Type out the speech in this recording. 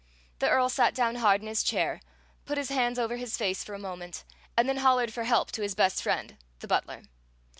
The Earl sat down hard in his chair, put his hands over his face for a moment, and then hollered for help to his best friend, the butler.